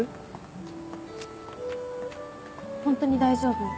ホントに大丈夫？